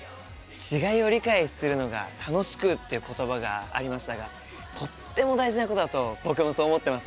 「違いを理解するのが楽しく」という言葉がありましたがとっても大事なことだと僕もそう思っています。